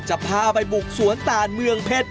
จะพาไปบุกสวนตานเมืองเพชร